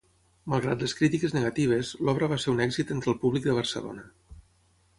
Malgrat les crítiques negatives, l'obra va ser un èxit entre el públic de Barcelona.